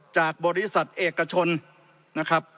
จากบริษัทเอกชนนะครับ